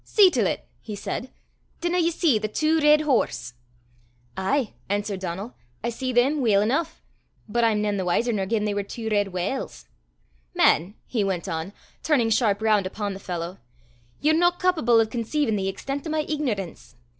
"See til 't!" he said. "Dinna ye see the twa reid horse?" "Ay," answered Donal; "I see them weel eneuch, but I'm nane the wiser nor gien they war twa reid whauls. Man," he went on, turning sharp round upon the fellow, "ye're no cawpable o' conceivin' the extent o' my ignorance!